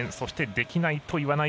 「できないといわない！！」。